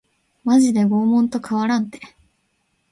マジで拷問と変わらんて